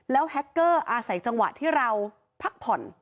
แล้วแฮคเกอร์อาศัยจังหวะที่เราพักผ่อน